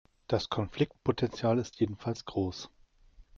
Das Konfliktpotenzial ist jedenfalls groß.